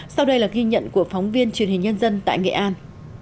sau đây là ghi nhận của phóng viên truyền hình nhân dân tại nghệ an